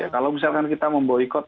kalau misalkan kita memboykot